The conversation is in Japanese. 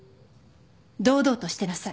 堂々としてなさい。